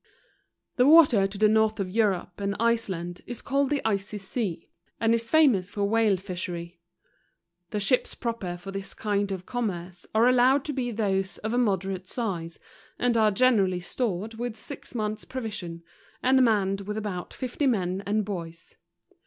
The water to the north of Europe and Iceland is called the Icy Sea, and is famous for Whale Fishery. The ships proper for this kind of com¬ merce are allowed to be those of a moderate size, and are generally stored with six months provision, and manned with about fifty men and boys.